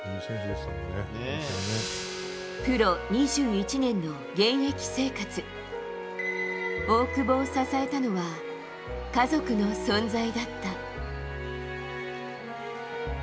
プロ２１年の現役生活大久保を支えたのは家族の存在だった。